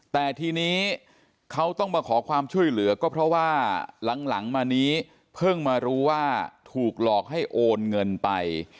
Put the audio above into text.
แต่ทีนี้เขาต้องมาขอความช่วยเหลือก็เพราะว่าหลังมานี้เพิ่งมารู้ว่าถูกหลอกให้โอนเงินไป